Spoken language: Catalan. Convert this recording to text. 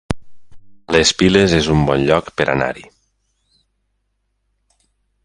Les Piles es un bon lloc per anar-hi